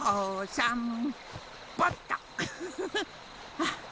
あっ。